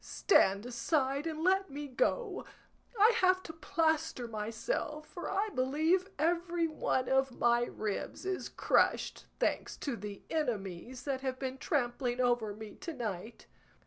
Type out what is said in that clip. Stand aside and let me go; I have to plaster myself, for I believe every one of my ribs is crushed, thanks to the enemies that have been trampling over me to night."